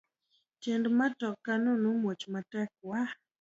Tiend matoka no muoch matek wa.